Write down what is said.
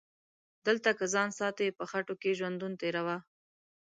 دلته که ځان ساتي په خټو کې ژوندون تیروه